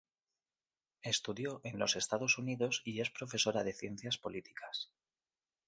Estudió en los Estados Unidos y es profesora de ciencias políticas.